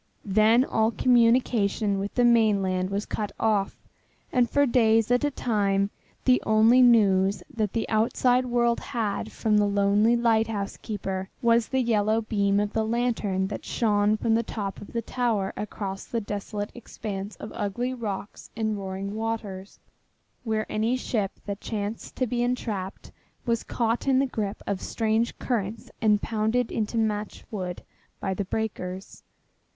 Then all communication with the mainland was cut off, and for days at a time the only news that the outside world had from the lonely lighthouse keeper was the yellow beam of the lantern that shone from the top of the tower across the desolate expanse of ugly rocks and roaring waters, where any ship that chanced to be entrapped was caught in the grip of strange currents and pounded into matchwood by the breakers.